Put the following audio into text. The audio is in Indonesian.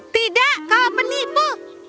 tidak kau penipu